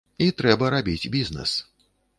І трэба рабіць бізнэс.